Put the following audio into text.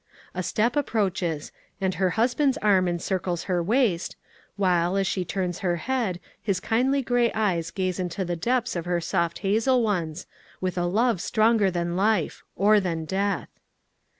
A step approaches, and her husband's arm encircles her waist, while, as she turns her head, his kindly gray eyes gaze into the depths of her soft hazel ones, with a love stronger than life or than death.